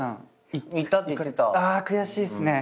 あ悔しいっすね。